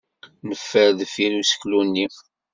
Neffer deffir useklu-nni.